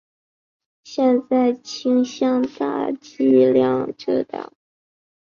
现在都倾向于大剂量治疗。